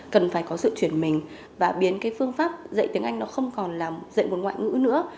cần phải có sự chuyển mình và biến cái phương pháp dạy tiếng anh nó không còn làm dạy một ngoại ngữ nữa